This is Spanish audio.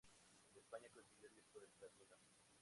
En España consiguió disco de platino.